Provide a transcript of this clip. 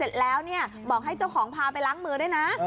เสร็จแล้วเนี่ยบอกให้เจ้าของพาไปล้างมือด้วยนะ